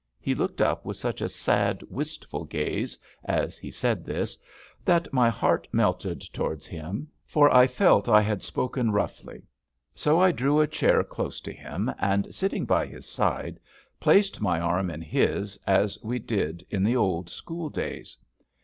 He looked up with such a sad, wistful gaze as he said this, that my heart melted towards him, for I felt I had spoken roughly; so I drew a chair close to him, and, sitting by his side, placed my arm in his as we did in the old school days.